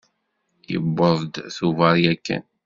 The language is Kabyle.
Yewweḍ-d Tubeṛ yakan.